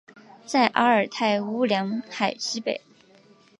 在阿尔泰乌梁海西北。